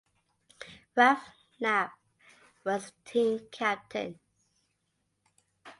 Ralph Knapp was the team captain.